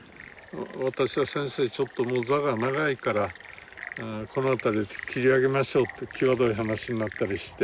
私は「先生ちょっともう座が長いからこの辺りで切り上げましょう」って際どい話になったりして。